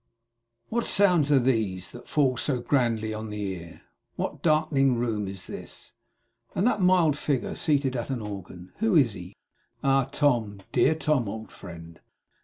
What sounds are these that fall so grandly on the ear! What darkening room is this! And that mild figure seated at an organ, who is he! Ah Tom, dear Tom, old friend!